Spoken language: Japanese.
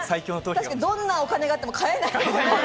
確かに、どんなにお金があっても買えない。